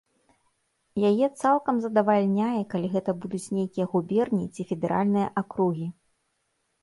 Яе цалкам задавальняе, калі гэта будуць нейкія губерні ці федэральныя акругі.